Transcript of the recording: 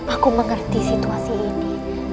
aku mengerti situasi ini